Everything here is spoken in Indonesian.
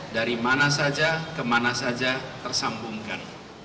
dari mana saja ke mana saja tersambungkan